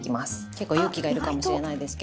結構勇気がいるかもしれないですけど。